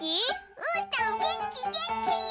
うーたんげんきげんき！